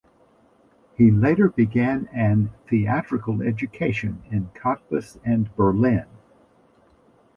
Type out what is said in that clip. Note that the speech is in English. He later began an theatrical education in Cottbus and Berlin.